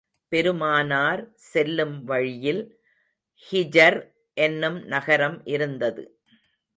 பெருமானார் செல்லும் வழியில், ஹிஜர் என்னும் நகரம் இருந்தது.